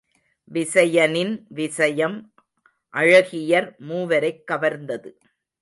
விசயனின் விசயம் அழகியர் மூவரைக் கவர்ந்தது.